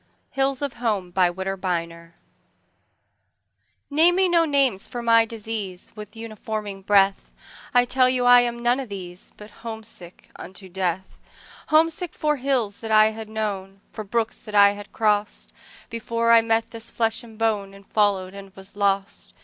Hills of Home NAME me no names for my disease, With uninforming breath;I tell you I am none of these, But homesick unto death—Homesick for hills that I had known, For brooks that I had crossed, Before I met this flesh and boneAnd followed and was lost.